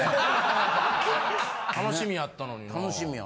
楽しみやったのにな。